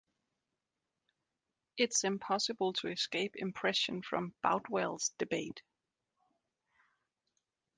It is impossible to escape impression from Boutwell's debate.